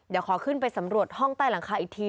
เดี๋ยวขอขึ้นไปสำรวจห้องใต้หลังคาอีกที